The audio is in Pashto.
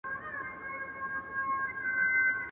چي پرون مي د نيکونو وو، نن زما دی..